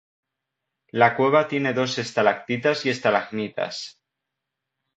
La cueva tiene dos estalactitas y estalagmitas.